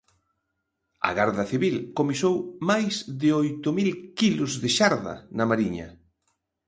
A Garda Civil comisou máis de oito mil quilos de xarda na Mariña.